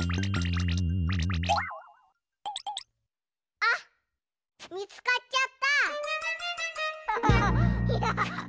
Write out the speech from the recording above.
あっみつかっちゃった！